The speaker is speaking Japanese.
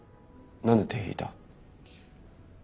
何で手引いた？